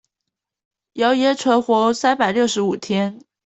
謠言存活三百六十五天